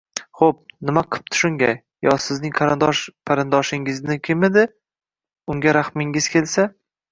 -Xo’p, nima qipti shunga, yo sizning qarindosh-parindoshingizmidiki, unga rahmingiz kelsa?